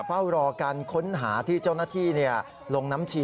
เฝ้ารอการค้นหาที่เจ้าหน้าที่ลงน้ำชี